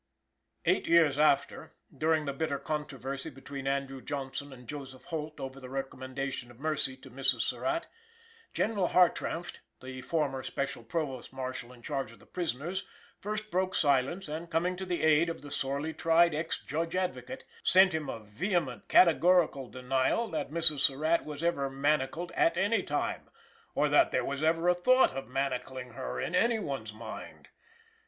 Eight years after, during the bitter controversy between Andrew Johnson and Joseph Holt over the recommendation of mercy to Mrs. Surratt, General Hartranft, the former Special Provost Marshal in charge of the prisoners, first broke silence and, coming to the aid of the sorely tried Ex Judge Advocate, sent him a vehement categorical denial that Mrs. Surratt was ever manacled at any time, or that there was ever a thought of manacling her in any one's mind.